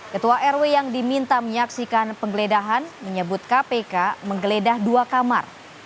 ketua rw yang diminta menyaksikan penggeledahan menyebut kpk menggeledah dua kamar